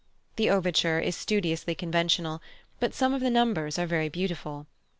The overture is studiously conventional, but some of the numbers are very beautiful.